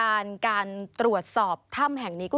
สวัสดีค่ะสวัสดีค่ะสวัสดีค่ะ